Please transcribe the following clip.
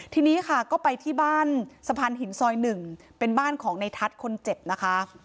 ทีนี้ค่ะก็ไปที่บ้านสะพานหินซอย๑เป็นบ้านของในทัศน์คนเจ็บนะคะ